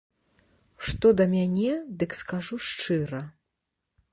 Што да мяне, дык скажу шчыра.